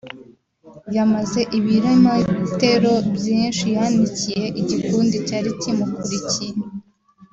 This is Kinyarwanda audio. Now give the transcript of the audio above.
yamaze ibilometero byinshi yanikiye igikundi cyari kimukurikiye